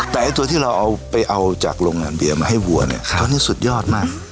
แต่ไอ้ตัวที่เราเอาไปเอาจากโรงงานเบียร์มาให้วัวเนี่ยเพราะนี่สุดยอดมาก